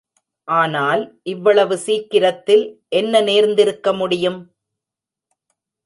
ஆனால், இவ்வளவு சிக்கிரத்தில் என்ன நேர்ந்திருக்க முடியும்?